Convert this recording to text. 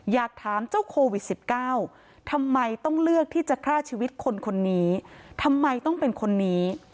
อยากถามเจ้าโควิด๑๙ทำไมต้องเลือกที่จะฆ่าชีวิตคนคนนี้ทำไมต้องเป็นคนนี้